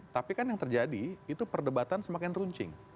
tapi kan yang terjadi itu perdebatan semakin runcing